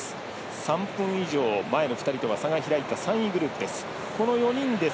３分以上前の２人とは差が開いた３位グループです。